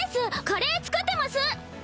カレー作ってます！